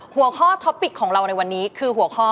หัวข้อท็อปปิกของเราในวันนี้คือหัวข้อ